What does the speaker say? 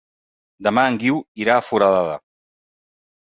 Demà en Guiu irà a Foradada.